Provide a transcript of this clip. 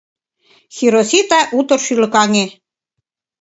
Хиросита утыр шӱлыкаҥе.